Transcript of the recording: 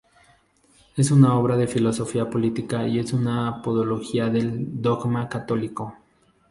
Es una obra de filosofía política y es una apología del dogma católico.